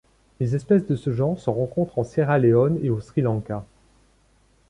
Les espèces de ce genre se rencontrent en Sierra Leone et au Sri Lanka.